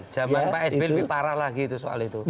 zaman pak sbi lebih parah lagi soal itu